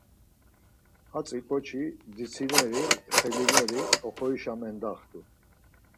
Hatzi ǩoçi dzitsineri, xelineri oxorişa mendaxtu.